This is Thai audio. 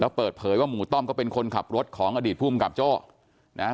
เปิดเผยว่าหมู่ต้อมก็เป็นคนขับรถของอดีตภูมิกับโจ้นะฮะ